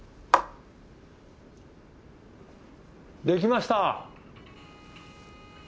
できました！